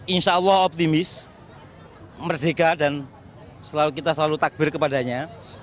insya allah optimis merdeka dan kita selalu takbir kepadanya